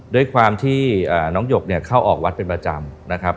ด้วยความที่น้องหยกเนี่ยเข้าออกวัดเป็นประจำนะครับ